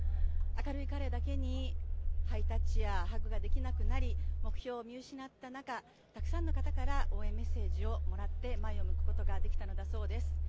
明るい彼だけにハイタッチやハグができなくなり目標を見失った中、たくさんの方から応援メッセージをもらって前を向くことができたのだそうです。